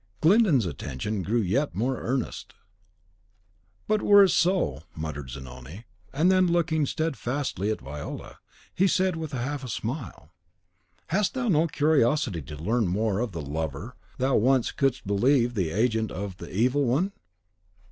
Glyndon's attention grew yet more earnest. "But were it so," muttered Zanoni; and then looking steadfastly at Viola, he said, with a half smile, "Hast thou no curiosity to learn more of the lover thou once couldst believe the agent of the Evil One?"